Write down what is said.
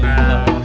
selamat malam ji